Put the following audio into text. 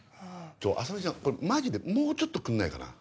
あさみちゃんマジでもうちょっとくんないかな？